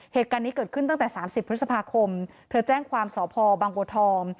เหตุการณ์นี้เกิดขึ้นตั้งแต่๓๐พฤษภาคมเธอแจ้งความสพบางบัวทอง